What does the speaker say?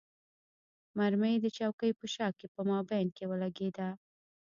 مرمۍ د چوکۍ په شا کې په مابین کې ولګېده.